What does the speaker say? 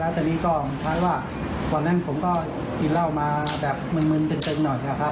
แล้วตอนนี้ก็เหมือนกันว่าก่อนนั้นผมก็กินเหล้ามาแบบเมืองตึงหน่อยครับ